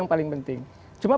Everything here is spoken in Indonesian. saya akan menjawabnya